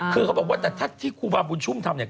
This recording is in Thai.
คือเขาบอกว่าแต่ถ้าที่ครูบาบุญชุ่มทำเนี่ย